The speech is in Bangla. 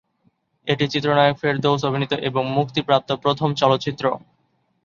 এটি চিত্রনায়ক ফেরদৌস অভিনীত এবং মুক্তিপ্রাপ্ত প্রথম চলচ্চিত্র।